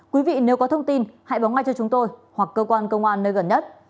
quý vị nếu có thông tin hãy báo ngay cho chúng tôi hoặc cơ quan công an nơi gần nhất